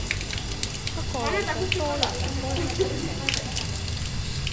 不過你想多人又多人傾偈